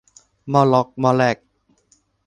ม่อล่อกม่อแล่ก